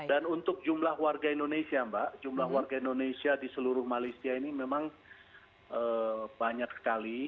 dan untuk jumlah warga indonesia jumlah warga indonesia di seluruh malaysia ini memang banyak sekali